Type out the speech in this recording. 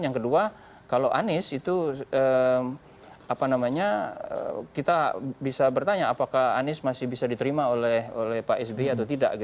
yang kedua kalau anies itu kita bisa bertanya apakah anies masih bisa diterima oleh pak sby atau tidak